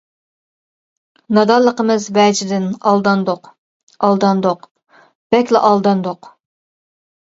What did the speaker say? نادانلىقىمىز ۋەجىدىن ئالداندۇق، ئالداندۇق، بەكلا ئالداندۇق.